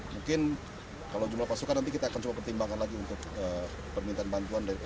mungkin kalau jumlah pasukan nanti kita akan coba pertimbangkan lagi untuk permintaan bantuan